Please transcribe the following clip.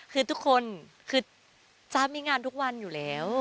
คือทุกคนคือจ๊ะมีงานทุกวันอยู่แล้ว